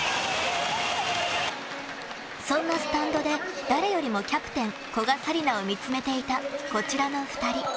そんなスタンドで誰よりもキャプテン古賀紗理那を見つめていたこちらの２人。